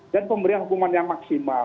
dan pemberian hukuman yang maksimal